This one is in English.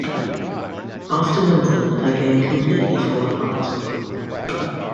After Wimbledon, her game completely fall apart.